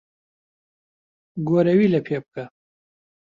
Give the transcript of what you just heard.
گۆرەوی لەپێ بکە.